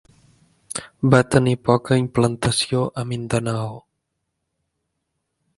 Va tenir poca implantació a Mindanao.